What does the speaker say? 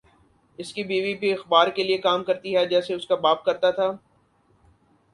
اس کی بیوی بھِی اخبار کے لیے کام کرتی ہے جیسے اس کا باپ کرتا تھا